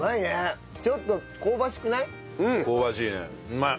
ちょっと香ばしくない？